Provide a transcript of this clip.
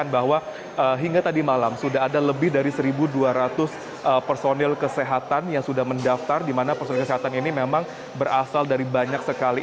baik dari bagaimana